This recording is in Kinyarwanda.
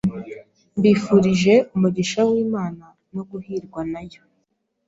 Mbifurije umugisha w’Imana no guhirwa na Yo